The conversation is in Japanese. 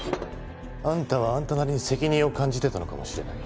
あんたはあんたなりに責任を感じてたのかもしれない。